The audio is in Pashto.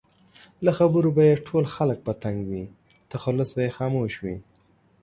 له خبرو به یې ټول خلک په تنګ وي؛ تخلص به یې خاموش وي